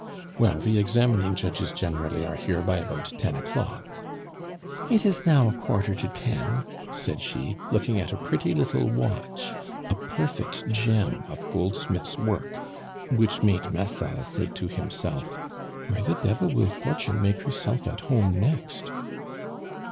"Well, the examining judges generally are here by about ten o'clock." "It is now a quarter to ten," said she, looking at a pretty little watch, a perfect gem of goldsmith's work, which made Massol say to himself: "Where the devil will Fortune make herself at home next!"